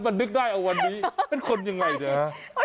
มันนึกได้มะวันนี้เป็นคนยังไงนะฮะ